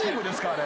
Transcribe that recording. あれ。